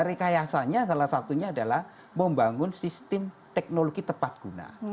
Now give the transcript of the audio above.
rekayasanya salah satunya adalah membangun sistem teknologi tepat guna